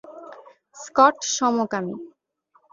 Scott সমকামী।